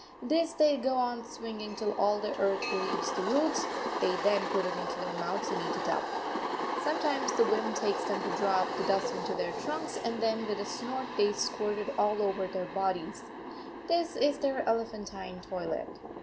This they go on swinging till all the earth leaves the roots; they then put it into their mouths and eat it up. Sometimes the whim takes them to draw up the dust into their trunks, and then with a snort they squirt it all over their bodies; this is their elephantine toilet.